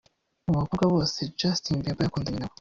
Mu bakobwa bose Justin Bieber yakundanye na bo